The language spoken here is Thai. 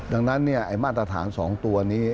ดังนั้นมาตรฐาน๒ตัวนี้